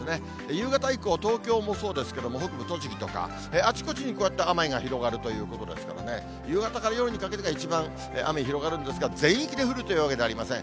夕方以降、東京もそうですけども、北部栃木とか、あちこちにこうやって雨が広がるということですからね、夕方から夜にかけてが一番雨広がるんですが、全域で降るというわけではありません。